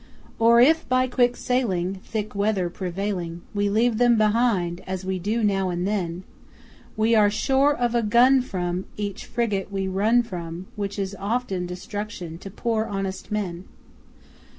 Or if by quick sailing (Thick weather prevailing) We leave them behind (as we do now and then) We are sure of a gun from Each frigate we run from, Which is often destruction to poor honest men!